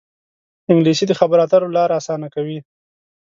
انګلیسي د خبرو اترو لاره اسانه کوي